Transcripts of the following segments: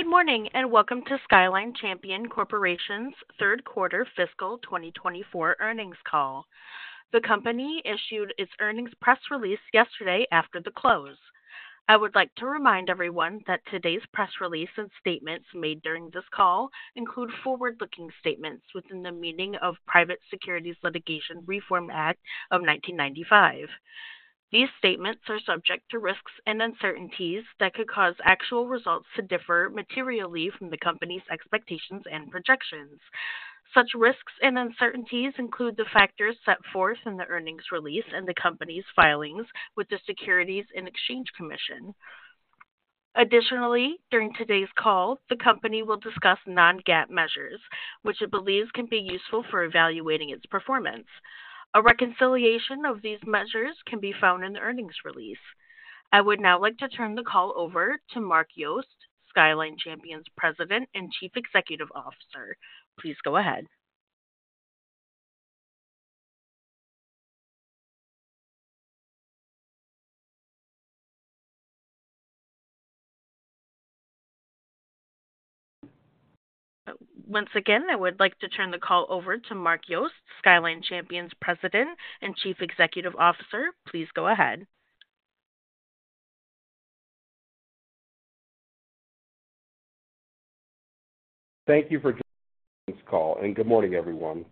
Good morning, and welcome to Skyline Champion Corporation's third quarter fiscal 2024 earnings call. The company issued its earnings press release yesterday after the close. I would like to remind everyone that today's press release and statements made during this call include forward-looking statements within the meaning of Private Securities Litigation Reform Act of 1995. These statements are subject to risks and uncertainties that could cause actual results to differ materially from the company's expectations and projections. Such risks and uncertainties include the factors set forth in the earnings release and the company's filings with the Securities and Exchange Commission. Additionally, during today's call, the company will discuss non-GAAP measures, which it believes can be useful for evaluating its performance. A reconciliation of these measures can be found in the earnings release. I would now like to turn the call over to Mark Yost, Skyline Champion's President and Chief Executive Officer. Please go ahead. Once again, I would like to turn the call over to Mark Yost, Skyline Champion's President and Chief Executive Officer. Please go ahead. Thank you for joining this call, and good morning, everyone.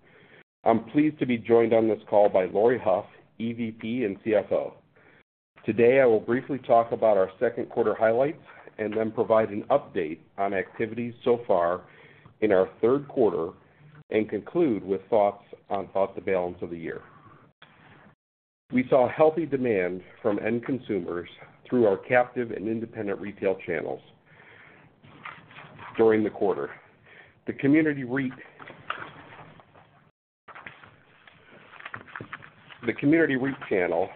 I'm pleased to be joined on this call by Laurie Hough, EVP and CFO. Today, I will briefly talk about our second quarter highlights and then provide an update on activities so far in our third quarter and conclude with thoughts on, thoughts the balance of the year. We saw healthy demand from end consumers through our captive and independent retail channels during the quarter. The community REIT... the community REIT channel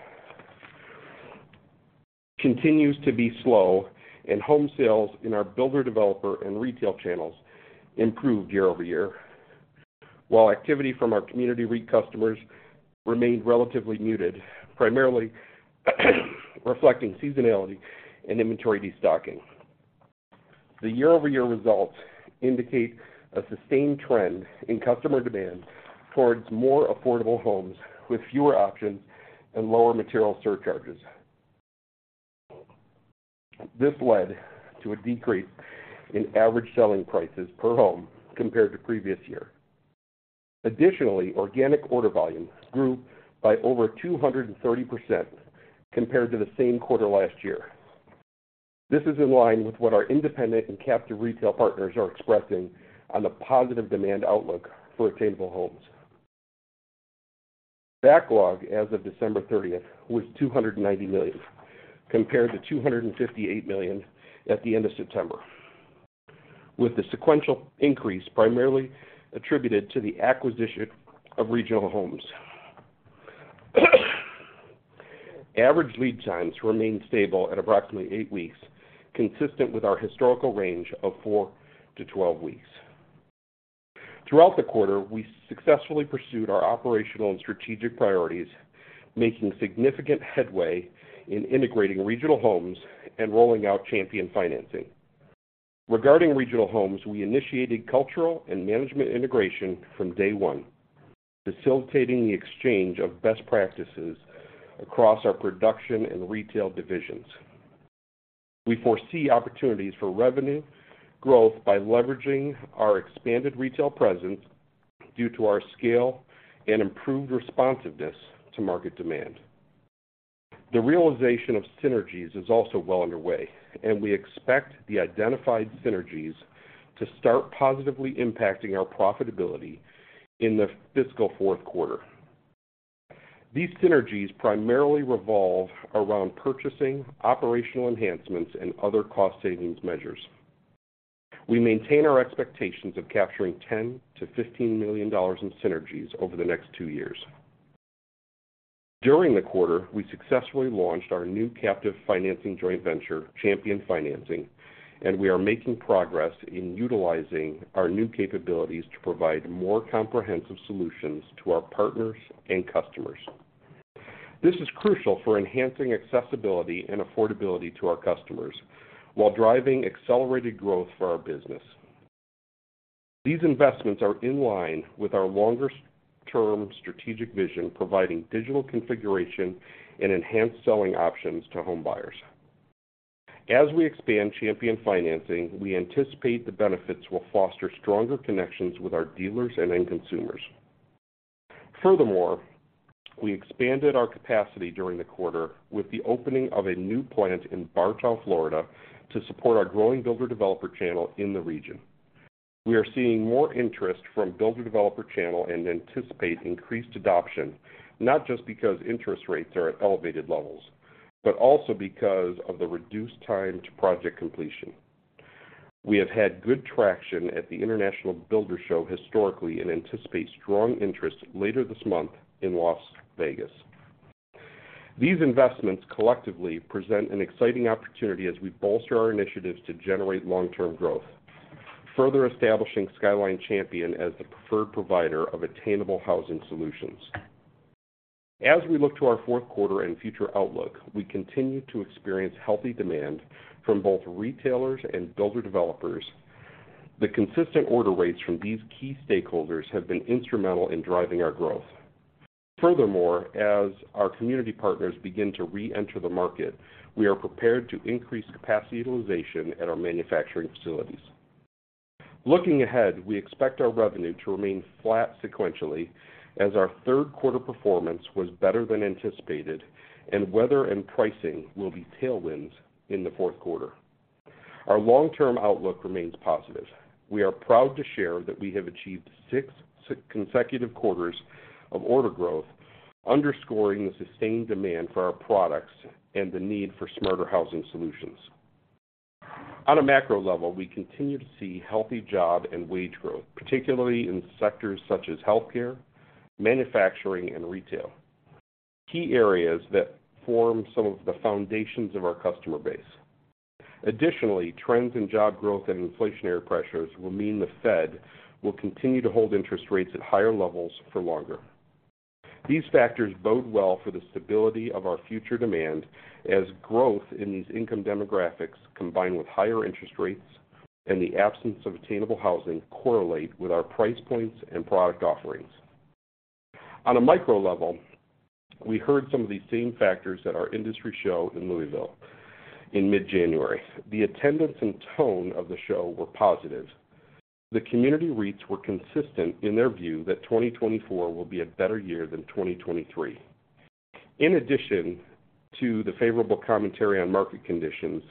continues to be slow, and home sales in our builder, developer, and retail channels improved year-over-year, while activity from our community REIT customers remained relatively muted, primarily reflecting seasonality and inventory destocking. The year-over-year results indicate a sustained trend in customer demand towards more affordable homes with fewer options and lower material surcharges. This led to a decrease in average selling prices per home compared to previous year. Additionally, organic order volume grew by over 230% compared to the same quarter last year. This is in line with what our independent and captive retail partners are expressing on the positive demand outlook for attainable homes. Backlog as of December thirtieth was $290 million, compared to $258 million at the end of September, with the sequential increase primarily attributed to the acquisition of Regional Homes. Average lead times remained stable at approximately eight weeks, consistent with our historical range of 4-12 weeks. Throughout the quarter, we successfully pursued our operational and strategic priorities, making significant headway in integrating Regional Homes and rolling out Champion Financing. Regarding Regional Homes, we initiated cultural and management integration from day one, facilitating the exchange of best practices across our production and retail divisions. We foresee opportunities for revenue growth by leveraging our expanded retail presence due to our scale and improved responsiveness to market demand. The realization of synergies is also well underway, and we expect the identified synergies to start positively impacting our profitability in the fiscal fourth quarter. These synergies primarily revolve around purchasing, operational enhancements, and other cost savings measures. We maintain our expectations of capturing $10 million-$15 million in synergies over the next two years. During the quarter, we successfully launched our new captive financing joint venture, Champion Financing, and we are making progress in utilizing our new capabilities to provide more comprehensive solutions to our partners and customers. This is crucial for enhancing accessibility and affordability to our customers while driving accelerated growth for our business. These investments are in line with our longer-term strategic vision, providing digital configuration and enhanced selling options to home buyers. As we expand Champion Financing, we anticipate the benefits will foster stronger connections with our dealers and end consumers. Furthermore, we expanded our capacity during the quarter with the opening of a new plant in Bartow, Florida, to support our growing Builder Developer channel in the region. We are seeing more interest from Builder Developer channel and anticipate increased adoption, not just because interest rates are at elevated levels, but also because of the reduced time to project completion. We have had good traction at the International Builders' Show historically and anticipate strong interest later this month in Las Vegas. These investments collectively present an exciting opportunity as we bolster our initiatives to generate long-term growth, further establishing Skyline Champion as the preferred provider of attainable housing solutions. As we look to our fourth quarter and future outlook, we continue to experience healthy demand from both retailers and builder developers. The consistent order rates from these key stakeholders have been instrumental in driving our growth. Furthermore, as our community partners begin to reenter the market, we are prepared to increase capacity utilization at our manufacturing facilities. Looking ahead, we expect our revenue to remain flat sequentially as our third quarter performance was better than anticipated, and weather and pricing will be tailwinds in the fourth quarter. Our long-term outlook remains positive. We are proud to share that we have achieved six consecutive quarters of order growth, underscoring the sustained demand for our products and the need for smarter housing solutions. On a macro level, we continue to see healthy job and wage growth, particularly in sectors such as healthcare, manufacturing, and retail, key areas that form some of the foundations of our customer base. Additionally, trends in job growth and inflationary pressures will mean the Fed will continue to hold interest rates at higher levels for longer. These factors bode well for the stability of our future demand, as growth in these income demographics, combined with higher interest rates and the absence of attainable housing, correlate with our price points and product offerings. On a micro level, we heard some of these same factors at our industry show in Louisville in mid-January. The attendance and tone of the show were positive. The community REITs were consistent in their view that 2024 will be a better year than 2023. In addition to the favorable commentary on market conditions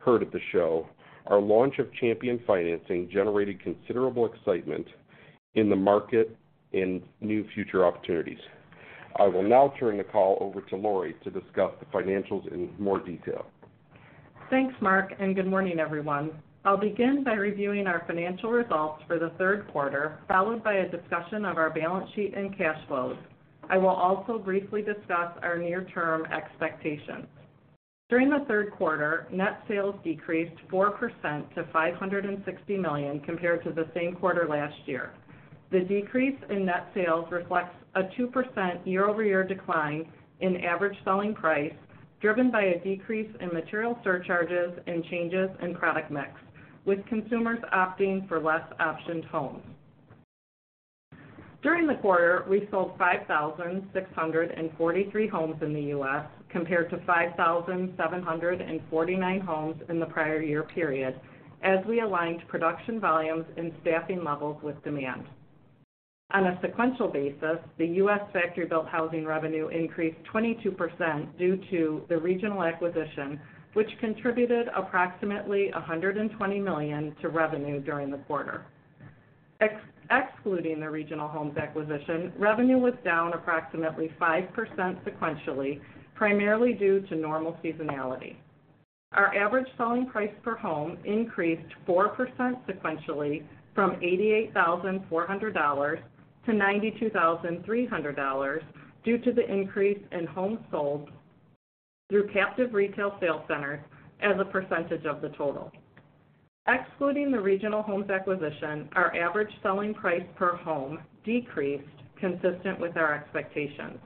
heard at the show, our launch of Champion Financing generated considerable excitement in the market in new future opportunities. I will now turn the call over to Laurie to discuss the financials in more detail. Thanks, Mark, and good morning, everyone. I'll begin by reviewing our financial results for the third quarter, followed by a discussion of our balance sheet and cash flows. I will also briefly discuss our near-term expectations. During the third quarter, net sales decreased 4% to $560 million compared to the same quarter last year. The decrease in net sales reflects a 2% year-over-year decline in average selling price, driven by a decrease in material surcharges and changes in product mix, with consumers opting for less optioned homes. During the quarter, we sold 5,643 homes in the U.S. compared to 5,749 homes in the prior year period, as we aligned production volumes and staffing levels with demand. On a sequential basis, the U.S. factory-built housing revenue increased 22% due to the Regional Homes acquisition, which contributed approximately $120 million to revenue during the quarter. Excluding the Regional Homes acquisition, revenue was down approximately 5% sequentially, primarily due to normal seasonality. Our average selling price per home increased 4% sequentially from $88,400 to $92,300, due to the increase in homes sold through captive retail sales centers as a percentage of the total. Excluding the Regional Homes acquisition, our average selling price per home decreased consistent with our expectations.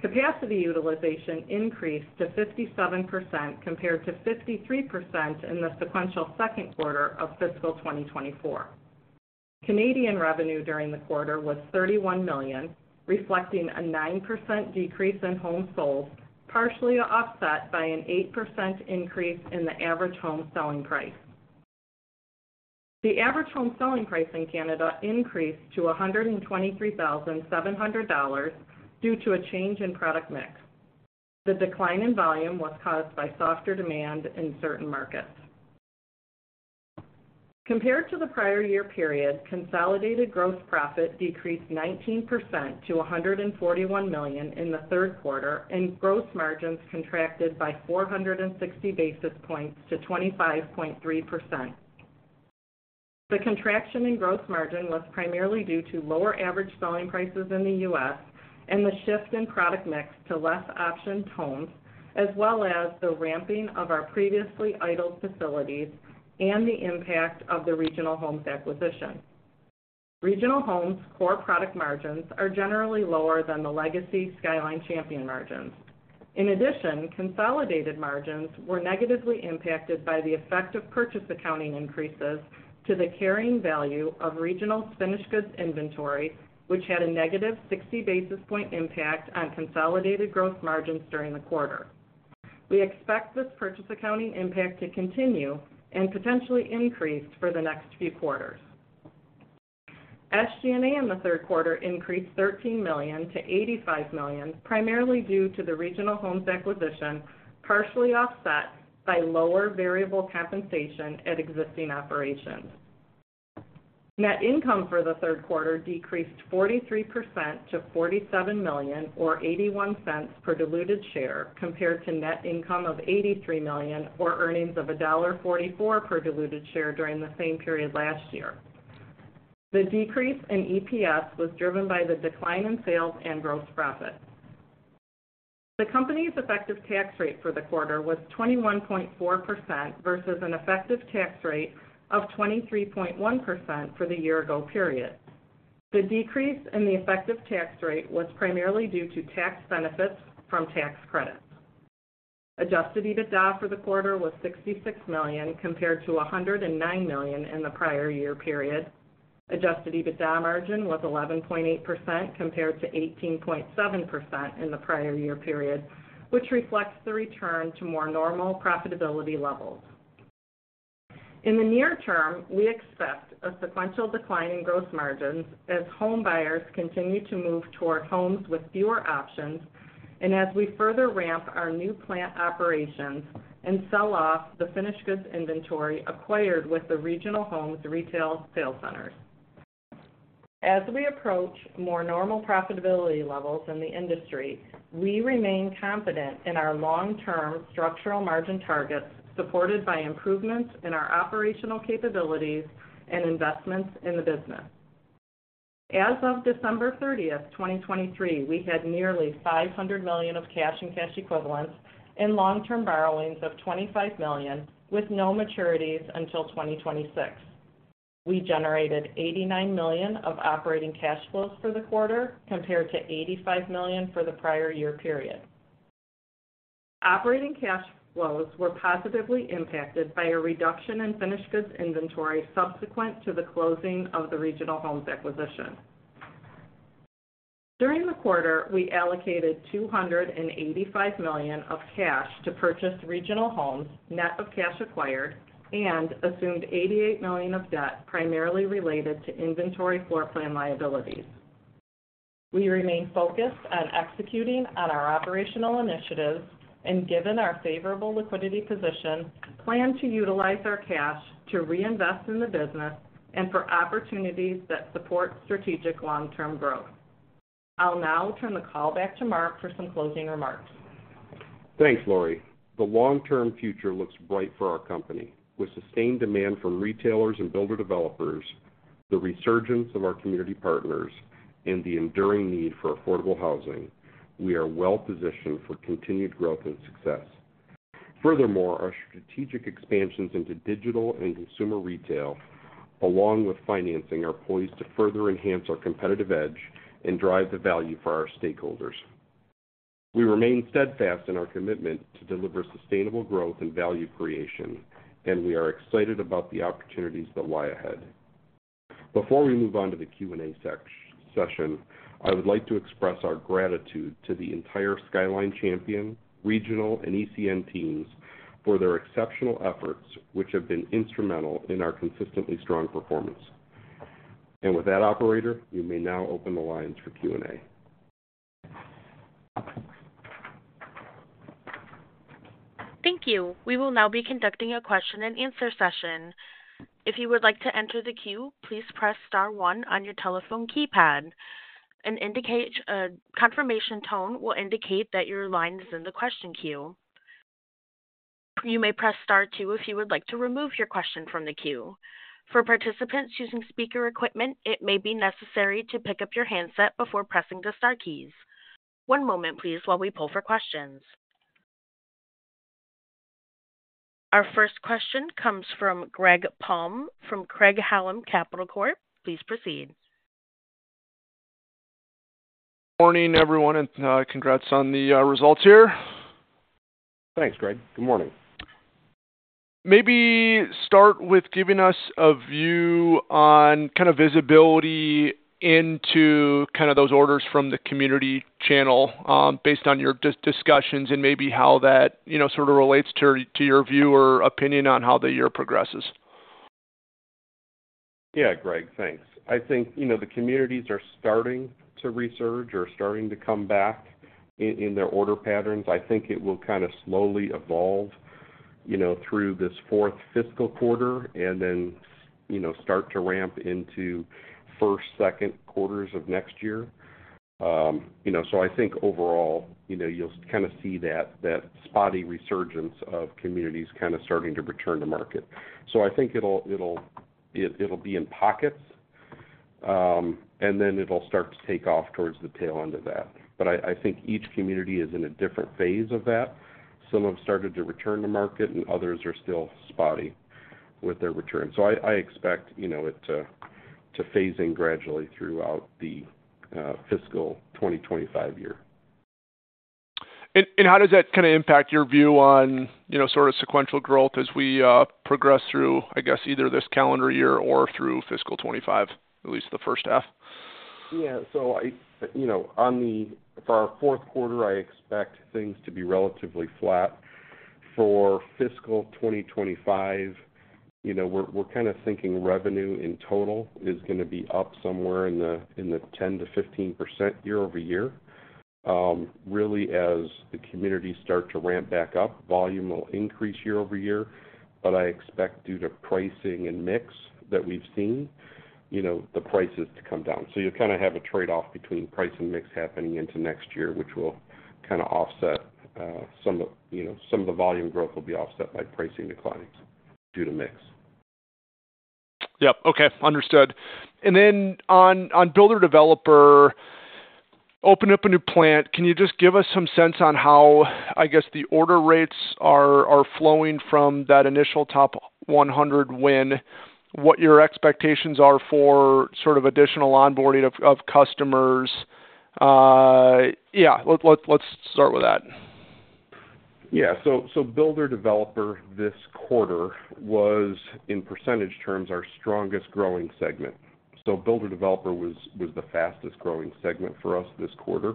Capacity utilization increased to 57%, compared to 53% in the sequential second quarter of fiscal 2024. Canadian revenue during the quarter was $31 million, reflecting a 9% decrease in homes sold, partially offset by an 8% increase in the average home selling price. The average home selling price in Canada increased to $123,700 due to a change in product mix. The decline in volume was caused by softer demand in certain markets. Compared to the prior year period, consolidated gross profit decreased 19% to $141 million in the third quarter, and gross margins contracted by 460 basis points to 25.3%. The contraction in gross margin was primarily due to lower average selling prices in the U.S. and the shift in product mix to less optioned homes, as well as the ramping of our previously idled facilities and the impact of the Regional Homes acquisition. Regional Homes' core product margins are generally lower than the legacy Skyline Champion margins. In addition, consolidated margins were negatively impacted by the effect of purchase accounting increases to the carrying value of Regional's finished goods inventory, which had a negative 60 basis point impact on consolidated gross margins during the quarter. We expect this purchase accounting impact to continue and potentially increase for the next few quarters. SG&A in the third quarter increased $13 million to $85 million, primarily due to the Regional Homes acquisition, partially offset by lower variable compensation at existing operations. Net income for the third quarter decreased 43% to $47 million, or $0.81 per diluted share, compared to net income of $83 million, or earnings of $1.44 per diluted share during the same period last year. The decrease in EPS was driven by the decline in sales and gross profit. The company's effective tax rate for the quarter was 21.4% versus an effective tax rate of 23.1% for the year ago period. The decrease in the effective tax rate was primarily due to tax benefits from tax credits. Adjusted EBITDA for the quarter was $66 million, compared to $109 million in the prior year period. Adjusted EBITDA margin was 11.8%, compared to 18.7% in the prior year period, which reflects the return to more normal profitability levels. In the near term, we expect a sequential decline in gross margins as home buyers continue to move toward homes with fewer options and as we further ramp our new plant operations and sell off the finished goods inventory acquired with the Regional Homes retail sales centers. As we approach more normal profitability levels in the industry, we remain confident in our long-term structural margin targets, supported by improvements in our operational capabilities and investments in the business. As of December 30, 2023, we had nearly $500 million of cash and cash equivalents and long-term borrowings of $25 million, with no maturities until 2026. We generated $89 million of operating cash flows for the quarter, compared to $85 million for the prior year period. Operating cash flows were positively impacted by a reduction in finished goods inventory subsequent to the closing of the Regional Homes acquisition. During the quarter, we allocated $285 million of cash to purchase Regional Homes, net of cash acquired, and assumed $88 million of debt, primarily related to inventory floor plan liabilities. We remain focused on executing on our operational initiatives and, given our favorable liquidity position, plan to utilize our cash to reinvest in the business and for opportunities that support strategic long-term growth. I'll now turn the call back to Mark for some closing remarks. Thanks, Laurie. The long-term future looks bright for our company. With sustained demand from retailers and builder developers, the resurgence of our community partners, and the enduring need for affordable housing, we are well positioned for continued growth and success. Furthermore, our strategic expansions into digital and consumer retail, along with financing, are poised to further enhance our competitive edge and drive the value for our stakeholders. We remain steadfast in our commitment to deliver sustainable growth and value creation, and we are excited about the opportunities that lie ahead. Before we move on to the Q&A session, I would like to express our gratitude to the entire Skyline Champion, Regional, and ECN teams for their exceptional efforts, which have been instrumental in our consistently strong performance. With that, operator, you may now open the lines for Q&A. Thank you. We will now be conducting a question-and-answer session. If you would like to enter the queue, please press star one on your telephone keypad and indicate... A confirmation tone will indicate that your line is in the question queue. You may press Star two if you would like to remove your question from the queue. For participants using speaker equipment, it may be necessary to pick up your handset before pressing the star keys. One moment please, while we pull for questions. Our first question comes from Greg Palm from Craig-Hallum Capital Group. Please proceed. Morning, everyone, and congrats on the results here. Thanks, Greg. Good morning. Maybe start with giving us a view on kind of visibility into kind of those orders from the community channel, based on your discussions and maybe how that, you know, sort of relates to your, to your view or opinion on how the year progresses. Yeah, Greg, thanks. I think, you know, the communities are starting to resurge or starting to come back in, in their order patterns. I think it will kind of slowly evolve, you know, through this fourth fiscal quarter and then, you know, start to ramp into first, second quarters of next year. You know, so I think overall, you know, you'll kind of see that, that spotty resurgence of communities kind of starting to return to market. So I think it'll be in pockets, and then it'll start to take off towards the tail end of that. But I think each community is in a different phase of that. Some have started to return to market, and others are still spotty with their return. So I expect, you know, it to phase in gradually throughout the fiscal 2025 year. And how does that kind of impact your view on, you know, sort of sequential growth as we progress through, I guess, either this calendar year or through fiscal 25, at least the first half? Yeah. So I, you know, on the—for our fourth quarter, I expect things to be relatively flat. For fiscal 2025, you know, we're, we're kind of thinking revenue in total is gonna be up somewhere in the, in the 10%-15% year-over-year. Really, as the communities start to ramp back up, volume will increase year-over-year, but I expect due to pricing and mix that we've seen, you know, the prices to come down. So you'll kind of have a trade-off between price and mix happening into next year, which will kind of offset, some of, you know, some of the volume growth will be offset by pricing declines due to mix.... Yep. Okay, understood. And then on builder developer, open up a new plant. Can you just give us some sense on how, I guess, the order rates are flowing from that initial top 100 win, what your expectations are for sort of additional onboarding of customers? Yeah, let's start with that. Yeah, so, so Builder Developer this quarter was, in percentage terms, our strongest growing segment. So Builder Developer was the fastest growing segment for us this quarter.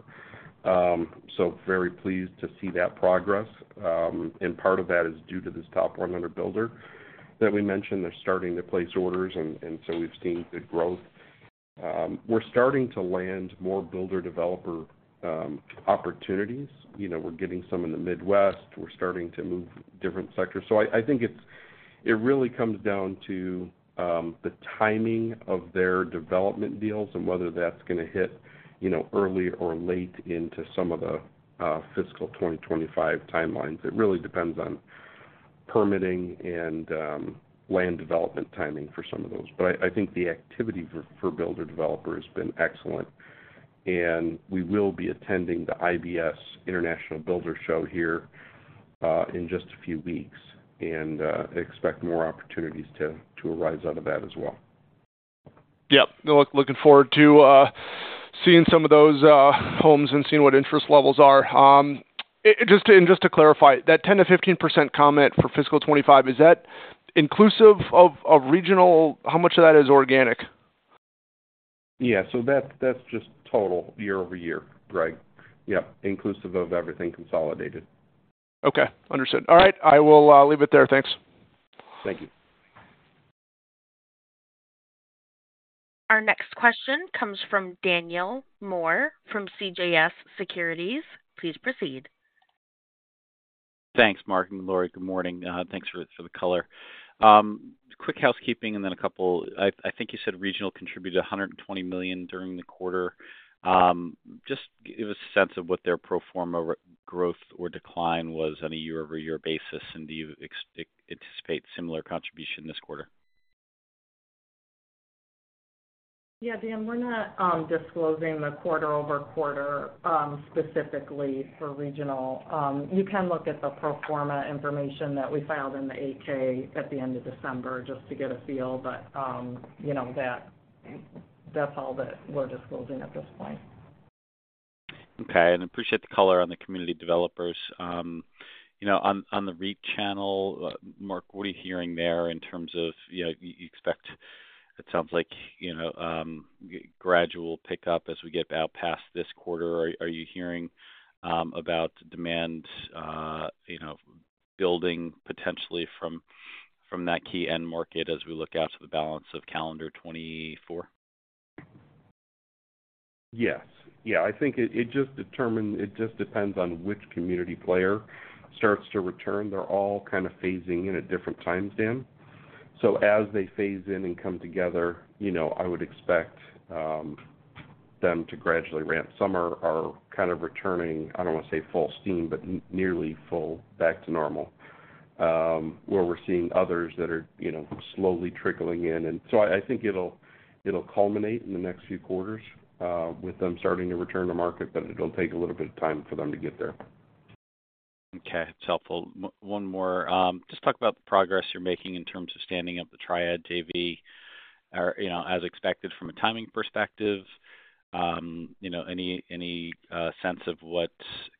So very pleased to see that progress. And part of that is due to this top 100 builder that we mentioned. They're starting to place orders, and so we've seen good growth. We're starting to land more Builder Developer opportunities. You know, we're getting some in the Midwest. We're starting to move different sectors. So I think it's it really comes down to the timing of their development deals and whether that's going to hit, you know, early or late into some of the fiscal 2025 timelines. It really depends on permitting and land development timing for some of those. But I think the activity for Builder Developer has been excellent, and we will be attending the IBS International Builders' Show here in just a few weeks, and expect more opportunities to arise out of that as well. Yep. Looking forward to seeing some of those homes and seeing what interest levels are. Just to clarify, that 10%-15% comment for fiscal 2025, is that inclusive of Regional? How much of that is organic? Yeah. So that's, that's just total year-over-year, Greg. Yep, inclusive of everything consolidated. Okay, understood. All right. I will leave it there. Thanks. Thank you. Our next question comes from Daniel Moore from CJS Securities. Please proceed. Thanks, Mark and Laurie. Good morning. Thanks for the color. Quick housekeeping and then a couple... I think you said Regional contributed $120 million during the quarter. Just give a sense of what their pro forma regrowth or decline was on a year-over-year basis, and do you anticipate similar contribution this quarter? Yeah, Dan, we're not disclosing the quarter-over-quarter specifically for Regional. You can look at the pro forma information that we filed in the A-K at the end of December just to get a feel. But, you know that, that's all that we're disclosing at this point. Okay, and appreciate the color on the community developers. You know, on, on the RE channel, Mark, what are you hearing there in terms of, you know, you expect, it sounds like, you know, gradual pickup as we get out past this quarter. Are, are you hearing, about demand, you know, building potentially from, from that key end market as we look out to the balance of calendar 2024? Yes. Yeah, I think it just depends on which community player starts to return. They're all kind of phasing in at different times, Dan. So as they phase in and come together, you know, I would expect them to gradually ramp. Some are kind of returning, I don't want to say full steam, but nearly full back to normal. Where we're seeing others that are, you know, slowly trickling in. And so I think it'll culminate in the next few quarters with them starting to return to market, but it'll take a little bit of time for them to get there. Okay. It's helpful. One more. Just talk about the progress you're making in terms of standing up the Triad JV. Or, you know, as expected from a timing perspective, you know, any sense of what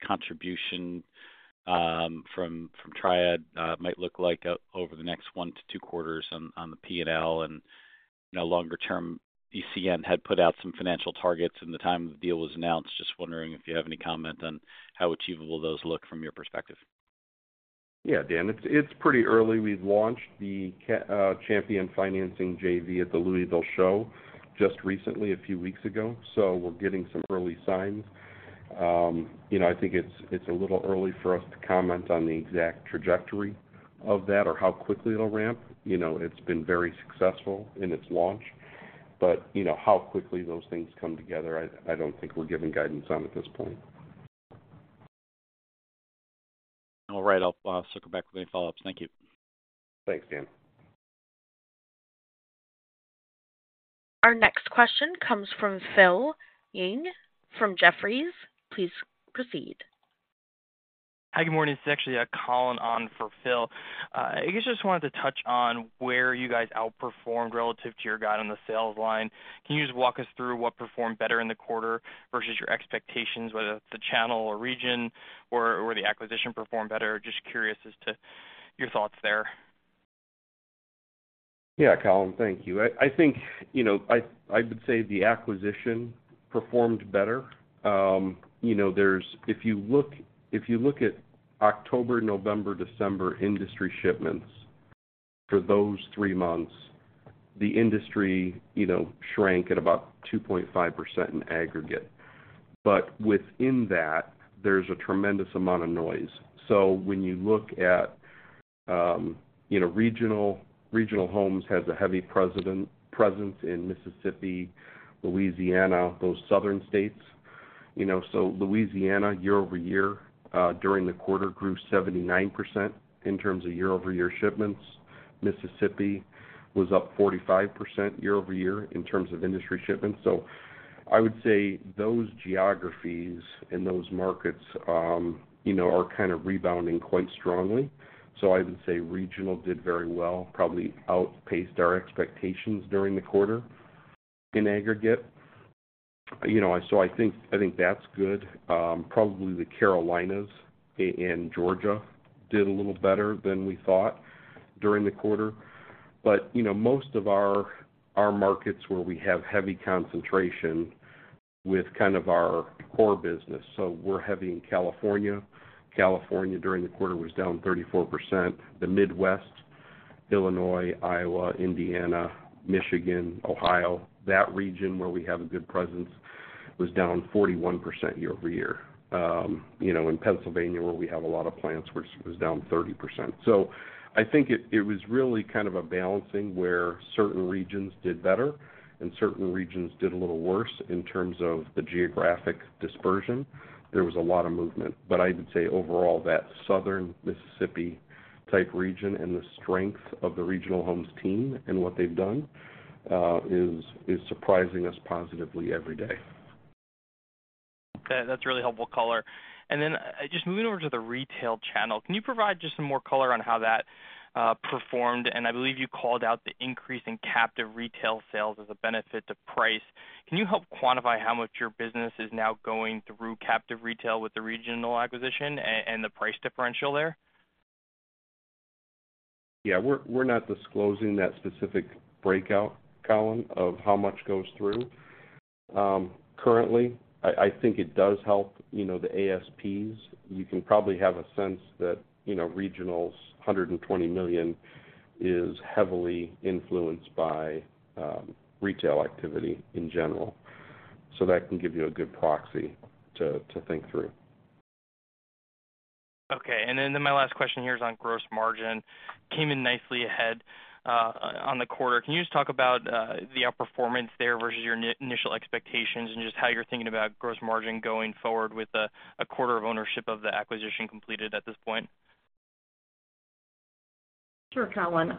contribution from Triad might look like over the next one to two quarters on the P&L and, you know, longer term, ECN had put out some financial targets in the time the deal was announced. Just wondering if you have any comment on how achievable those look from your perspective. Yeah, Dan, it's, it's pretty early. We've launched the Champion Financing JV at the Louisville show just recently, a few weeks ago, so we're getting some early signs. You know, I think it's, it's a little early for us to comment on the exact trajectory of that or how quickly it'll ramp. You know, it's been very successful in its launch, but, you know, how quickly those things come together, I, I don't think we're giving guidance on at this point. All right. I'll circle back with any follow-ups. Thank you. Thanks, Dan. Our next question comes from Phil Ng from Jefferies. Please proceed. Hi, good morning. This is actually, Collin on for Phil. I guess just wanted to touch on where you guys outperformed relative to your guide on the sales line. Can you just walk us through what performed better in the quarter versus your expectations, whether it's the channel or region or, or the acquisition performed better? Just curious as to your thoughts there. Yeah, Collin, thank you. I think, you know, I would say the acquisition performed better. You know, there's if you look at October, November, December industry shipments, for those three months, the industry, you know, shrank at about 2.5% in aggregate. But within that, there's a tremendous amount of noise. So when you look at, you know, Regional Homes has a heavy presence in Mississippi, Louisiana, those southern states. You know, so Louisiana, year-over-year, during the quarter, grew 79% in terms of year-over-year shipments. Mississippi was up 45% year-over-year in terms of industry shipments. So I would say those geographies and those markets, you know, are kind of rebounding quite strongly. So I would say Regional did very well, probably outpaced our expectations during the quarter in aggregate. You know, so I think, I think that's good. Probably the Carolinas and Georgia did a little better than we thought during the quarter. But, you know, most of our, our markets where we have heavy concentration with kind of our core business, so we're heavy in California. California, during the quarter, was down 34%. The Midwest, Illinois, Iowa, Indiana, Michigan, Ohio, that region where we have a good presence, was down 41% year-over-year. You know, in Pennsylvania, where we have a lot of plants, was, was down 30%. So I think it, it was really kind of a balancing, where certain regions did better and certain regions did a little worse in terms of the geographic dispersion. There was a lot of movement. But I would say overall, that southern Mississippi type region and the strength of the Regional Homes team and what they've done is surprising us positively every day. That's really helpful color. And then just moving over to the retail channel, can you provide just some more color on how that performed? And I believe you called out the increase in captive retail sales as a benefit to price. Can you help quantify how much your business is now going through captive retail with the Regional acquisition and the price differential there? Yeah, we're not disclosing that specific breakout, Collin, of how much goes through. Currently, I think it does help, you know, the ASPs. You can probably have a sense that, you know, Regional's $120 million is heavily influenced by retail activity in general. So that can give you a good proxy to think through. Okay. And then my last question here is on gross margin. Came in nicely ahead on the quarter. Can you just talk about the outperformance there versus your initial expectations and just how you're thinking about gross margin going forward with a quarter of ownership of the acquisition completed at this point? Sure, Collin.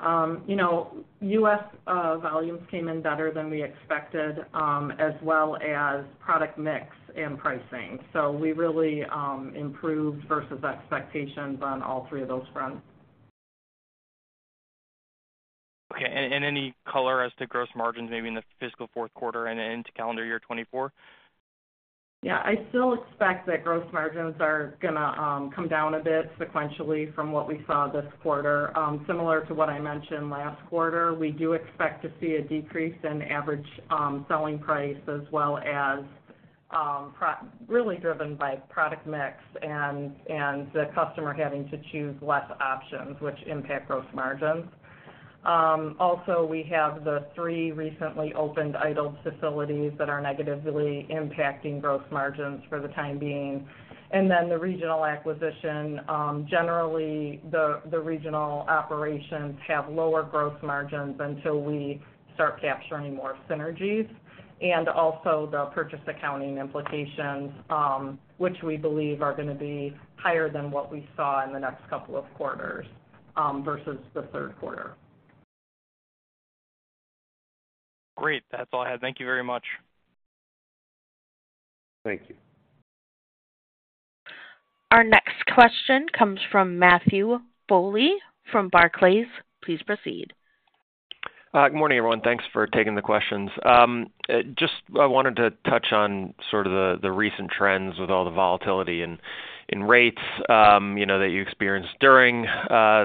You know, U.S. volumes came in better than we expected, as well as product mix and pricing. So we really improved versus expectations on all three of those fronts. Okay, and any color as to gross margins, maybe in the fiscal fourth quarter and into calendar year 2024? Yeah. I still expect that gross margins are gonna come down a bit sequentially from what we saw this quarter. Similar to what I mentioned last quarter, we do expect to see a decrease in average selling price, as well as primarily driven by product mix and the customer having to choose less options, which impact gross margins. Also, we have the three recently opened idled facilities that are negatively impacting gross margins for the time being. And then the regional acquisition, generally, the regional operations have lower gross margins until we start capturing more synergies, and also the Purchase Accounting implications, which we believe are gonna be higher than what we saw in the next couple of quarters versus the third quarter. Great. That's all I have. Thank you very much. Thank you. Our next question comes from Matthew Bouley from Barclays. Please proceed. Good morning, everyone. Thanks for taking the questions. Just I wanted to touch on sort of the recent trends with all the volatility in rates, you know, that you experienced during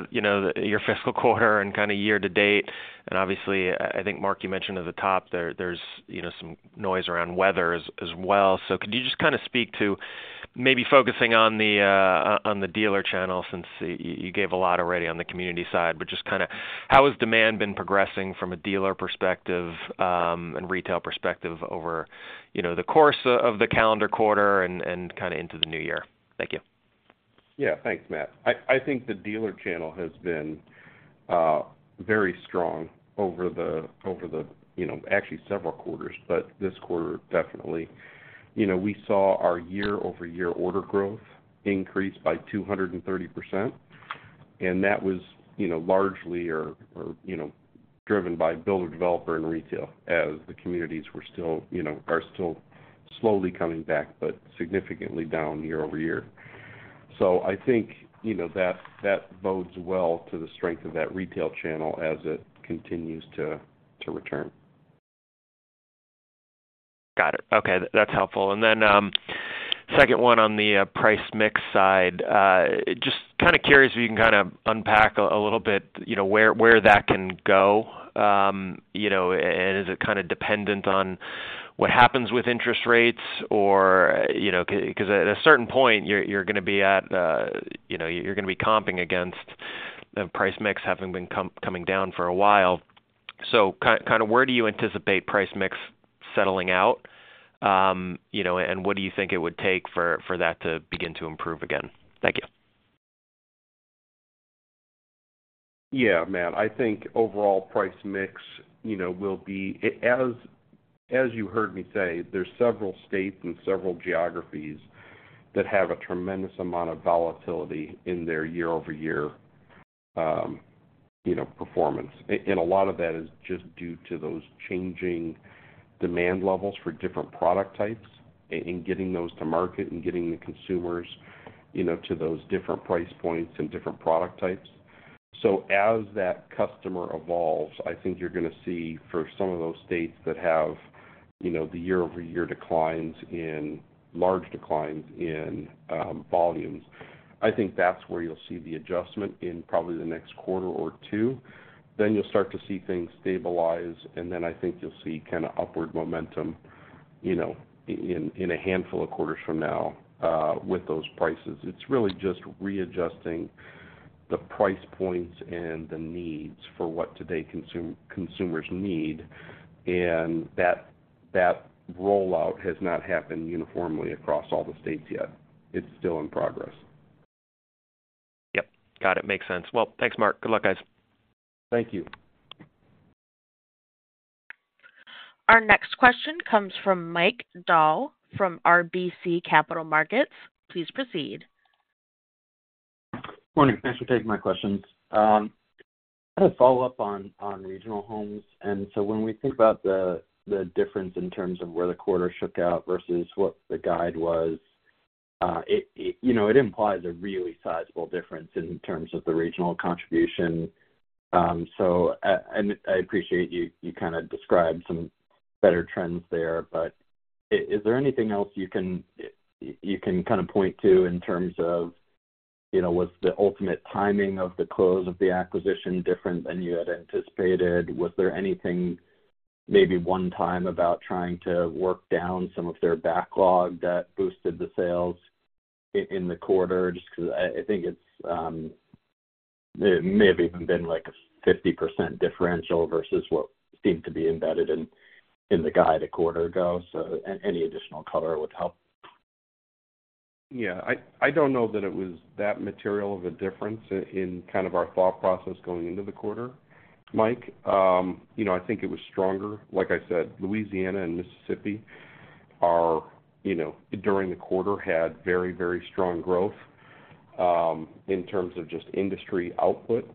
your fiscal quarter and kind of year to date. And obviously, I think, Mark, you mentioned at the top there, there's you know, some noise around weather as well. So could you just kind of speak to maybe focusing on the dealer channel, since you gave a lot already on the community side, but just kind of how has demand been progressing from a dealer perspective, and retail perspective over, you know, the course of the calendar quarter and kind of into the new year? Thank you. Yeah. Thanks, Matt. I think the dealer channel has been very strong over the, you know, actually several quarters, but this quarter, definitely. You know, we saw our year-over-year order growth increase by 230%, and that was, you know, largely driven by builder, developer, and retail, as the communities were still, you know, are still slowly coming back, but significantly down year-over-year. So I think, you know, that bodes well to the strength of that retail channel as it continues to return. Got it. Okay, that's helpful. And then, second one on the price mix side. Just kind of curious if you can kind of unpack a little bit, you know, where that can go. You know, and is it kind of dependent on what happens with interest rates or, you know, 'cause at a certain point, you're gonna be at, you know, you're gonna be comping against the price mix, having been coming down for a while. So kind of where do you anticipate price mix settling out? You know, and what do you think it would take for that to begin to improve again? Thank you.... Yeah, Matt, I think overall price mix, you know, will be—as, as you heard me say, there's several states and several geographies that have a tremendous amount of volatility in their year-over-year, you know, performance. And a lot of that is just due to those changing demand levels for different product types and getting those to market and getting the consumers, you know, to those different price points and different product types. So as that customer evolves, I think you're gonna see for some of those states that have, you know, the year-over-year declines in large declines in volumes, I think that's where you'll see the adjustment in probably the next quarter or two. Then you'll start to see things stabilize, and then I think you'll see kinda upward momentum, you know, in a handful of quarters from now with those prices. It's really just readjusting the price points and the needs for what today consumers need, and that rollout has not happened uniformly across all the states yet. It's still in progress. Yep, got it. Makes sense. Well, thanks, Mark. Good luck, guys. Thank you. Our next question comes from Mike Dahl from RBC Capital Markets. Please proceed. Morning. Thanks for taking my questions. I had a follow-up on regional homes, and so when we think about the difference in terms of where the quarter shook out versus what the guide was, you know, it implies a really sizable difference in terms of the Regional Homes contribution. So, and I appreciate you kind of described some better trends there, but is there anything else you can kind of point to in terms of, you know, was the ultimate timing of the close of the acquisition different than you had anticipated? Was there anything, maybe one time about trying to work down some of their backlog that boosted the sales in the quarter? Just 'cause I think it's, it may have even been like a 50% differential versus what seemed to be embedded in the guide a quarter ago. So any additional color would help. Yeah, I don't know that it was that material of a difference in kind of our thought process going into the quarter, Mike. You know, I think it was stronger. Like I said, Louisiana and Mississippi, you know, during the quarter, had very, very strong growth in terms of just industry output.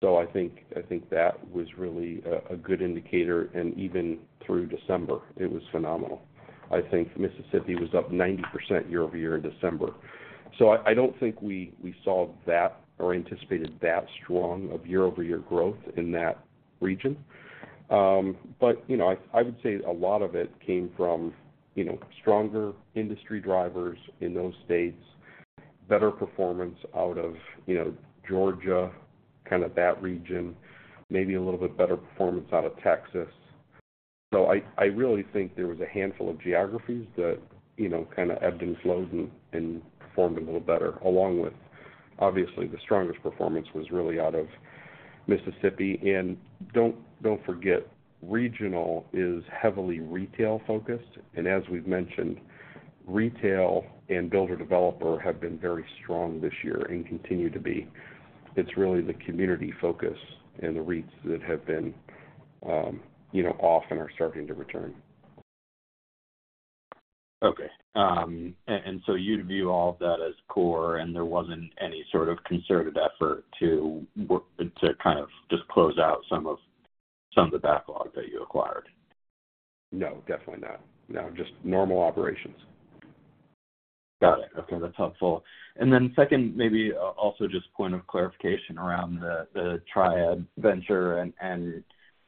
So I think that was really a good indicator, and even through December, it was phenomenal. I think Mississippi was up 90% year-over-year in December. So I don't think we saw that or anticipated that strong of year-over-year growth in that region. But you know, I would say a lot of it came from, you know, stronger industry drivers in those states, better performance out of, you know, Georgia, kind of that region, maybe a little bit better performance out of Texas. So I really think there was a handful of geographies that, you know, kind of ebbed and flowed and performed a little better, along with obviously, the strongest performance was really out of Mississippi. And don't forget, Regional is heavily retail-focused, and as we've mentioned, retail and Builder-Developer have been very strong this year and continue to be. It's really the community focus and the REITs that have been, you know, off and are starting to return. Okay. And so you'd view all of that as core, and there wasn't any sort of concerted effort to kind of just close out some of the backlog that you acquired? No, definitely not. No, just normal operations. Got it. Okay, that's helpful. And then second, maybe also just a point of clarification around the Triad venture and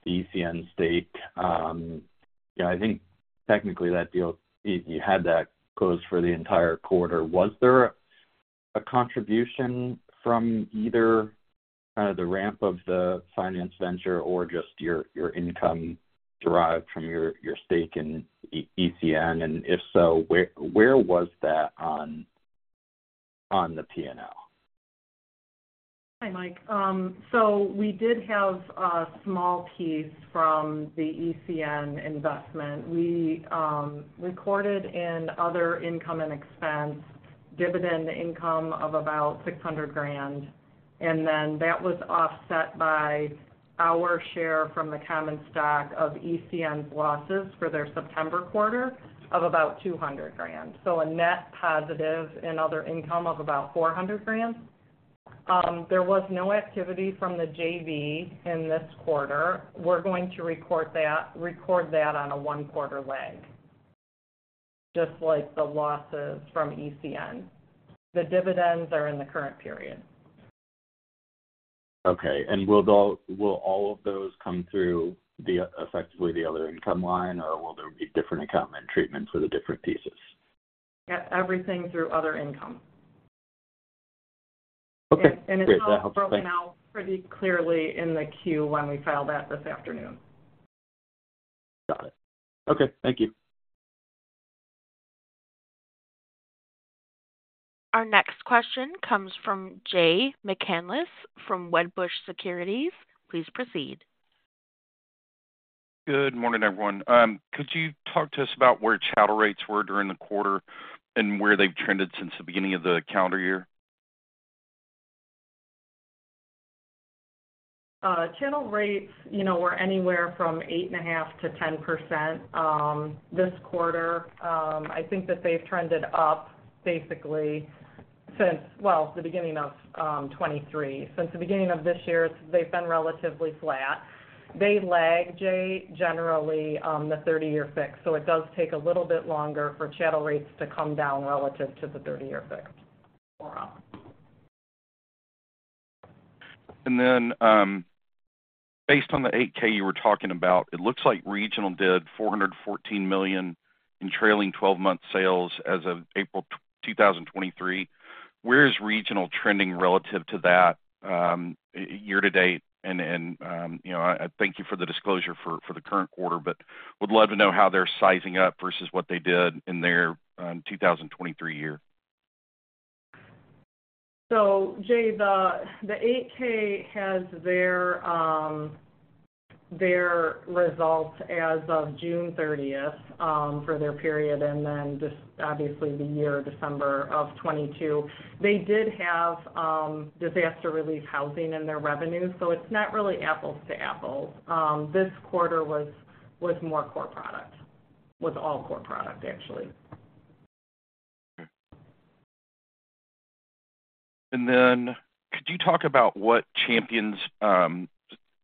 the ECN stake. You know, I think technically that deal, you had that closed for the entire quarter. Was there a contribution from either the ramp of the finance venture or just your income derived from your stake in ECN? And if so, where was that on the P&L? Hi, Mike. So we did have a small piece from the ECN investment. We recorded in other income and expense, dividend income of about $600,000, and then that was offset by our share from the common stock of ECN's losses for their September quarter of about $200,000. So a net positive in other income of about $400,000. There was no activity from the JV in this quarter. We're going to record that on a one-quarter lag, just like the losses from ECN. The dividends are in the current period. Okay. And will all of those come through the, effectively the other income line, or will there be different accounting and treatments for the different pieces? Yes, everything through other income. Okay, great. It's also- That helps. Thanks... broken out pretty clearly in the queue when we file that this afternoon. Got it. Okay, thank you. Our next question comes from Jay McCanless from Wedbush Securities. Please proceed. Good morning, everyone. Could you talk to us about where channel rates were during the quarter and where they've trended since the beginning of the calendar year? Channel rates, you know, were anywhere from 8.5%-10% this quarter. I think that they've trended up basically since... well, the beginning of 2023. Since the beginning of this year, they've been relatively flat. They lag, Jay, generally, the 30-year fix, so it does take a little bit longer for channel rates to come down relative to the 30-year fix or up. Then, based on the 8-K you were talking about, it looks like Regional did $414 million in trailing twelve-month sales as of April 2023. Where is Regional trending relative to that year to date? And you know, I thank you for the disclosure for the current quarter, but would love to know how they're sizing up versus what they did in their 2023 year. Jay, the 8-K has their results as of June thirtieth for their period, and then just obviously the year, December of 2022. They did have disaster relief housing in their revenue, so it's not really apples to apples. This quarter was more core product. Was all core product, actually. Could you talk about what Champion's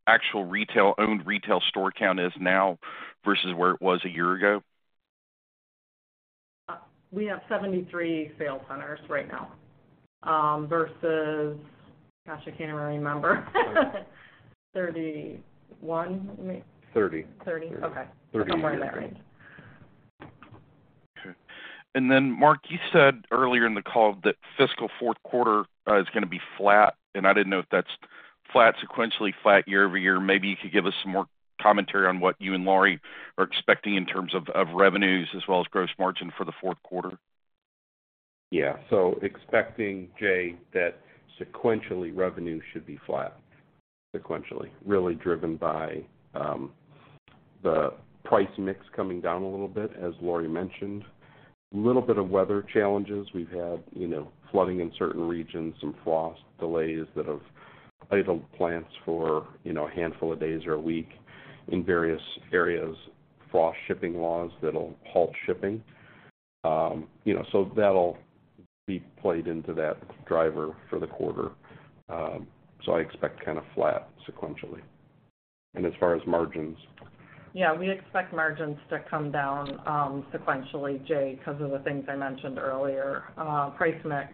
actual retail-owned retail store count is now versus where it was a year ago? We have 73 sales centers right now, versus... Gosh, I can't really remember. 31, maybe. Thirty. Thirty? Okay. Thirty. I'm wearing that right. Okay. And then, Mark, you said earlier in the call that fiscal fourth quarter is gonna be flat, and I didn't know if that's flat sequentially, flat year-over-year. Maybe you could give us some more commentary on what you and Lori are expecting in terms of revenues as well as gross margin for the fourth quarter? Yeah. So expecting, Jay, that sequentially revenue should be flat. Sequentially. Really driven by the price mix coming down a little bit, as Laurie mentioned. A little bit of weather challenges. We've had, you know, flooding in certain regions, some frost delays that have idled plants for, you know, a handful of days or a week in various areas, frost shipping laws that'll halt shipping. You know, so that'll be played into that driver for the quarter. So I expect kind of flat sequentially. And as far as margins? Yeah, we expect margins to come down sequentially, Jay, because of the things I mentioned earlier, price mix,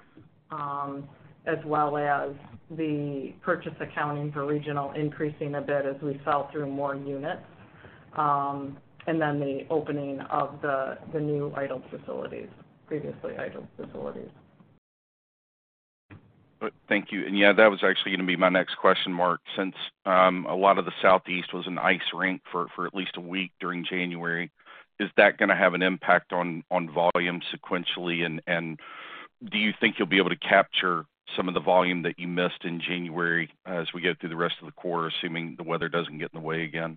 as well as the Purchase Accounting for Regional increasing a bit as we sell through more units, and then the opening of the new idle facilities, previously idle facilities. Thank you. And, yeah, that was actually going to be my next question, Mark, since a lot of the Southeast was an ice rink for at least a week during January, is that going to have an impact on volume sequentially? And do you think you'll be able to capture some of the volume that you missed in January as we get through the rest of the quarter, assuming the weather doesn't get in the way again?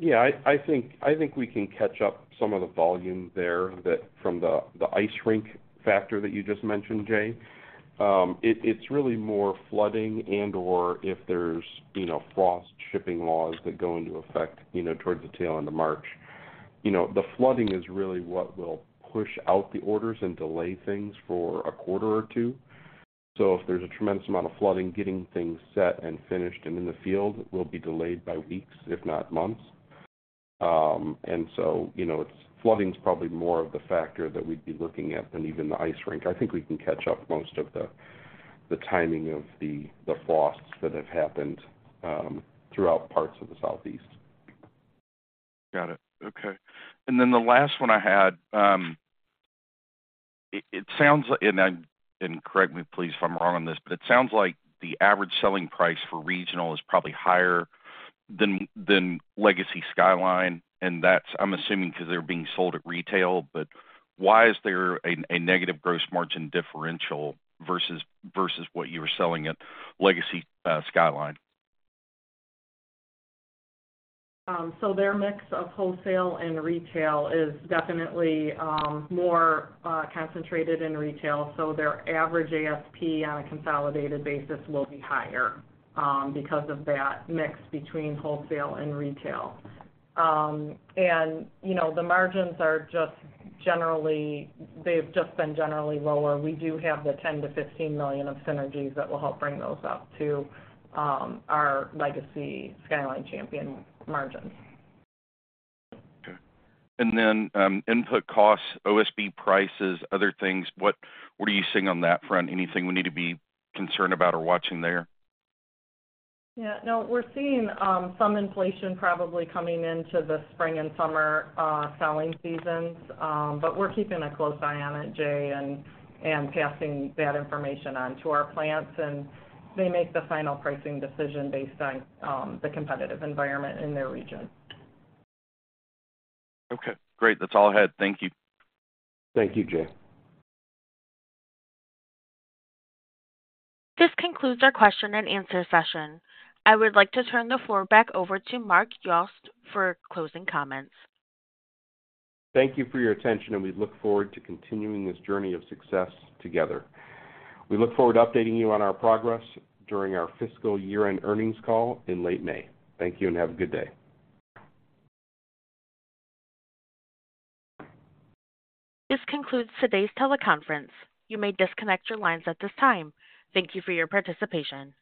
Yeah, I think we can catch up some of the volume there, that from the ice rink factor that you just mentioned, Jay. It's really more flooding and/or if there's, you know, frost shipping laws that go into effect, you know, towards the tail end of March. You know, the flooding is really what will push out the orders and delay things for a quarter or two. So if there's a tremendous amount of flooding, getting things set and finished and in the field will be delayed by weeks, if not months. And so, you know, it's flooding is probably more of the factor that we'd be looking at than even the ice rink. I think we can catch up most of the timing of the frosts that have happened throughout parts of the Southeast. Got it. Okay. And then the last one I had, it sounds like, and correct me, please, if I'm wrong on this, but it sounds like the average selling price for Regional is probably higher than legacy Skyline, and that's, I'm assuming, because they're being sold at retail, but why is there a negative gross margin differential versus what you were selling at legacy Skyline? So their mix of wholesale and retail is definitely more concentrated in retail, so their average ASP on a consolidated basis will be higher because of that mix between wholesale and retail. You know, the margins are just generally, they've just been generally lower. We do have the $10 million-$15 million of synergies that will help bring those up to our legacy Skyline Champion margins. Okay. And then, input costs, OSB prices, other things, what, what are you seeing on that front? Anything we need to be concerned about or watching there? Yeah, no, we're seeing some inflation probably coming into the spring and summer selling seasons, but we're keeping a close eye on it, Jay, and, and passing that information on to our plants, and they make the final pricing decision based on the competitive environment in their region. Okay, great. That's all I had. Thank you. Thank you, Jay. This concludes our question and answer session. I would like to turn the floor back over to Mark Yost for closing comments. Thank you for your attention, and we look forward to continuing this journey of success together. We look forward to updating you on our progress during our fiscal year-end earnings call in late May. Thank you and have a good day. This concludes today's teleconference. You may disconnect your lines at this time. Thank you for your participation.